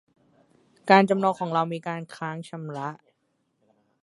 การจำนองของเรามีการค้างชำระ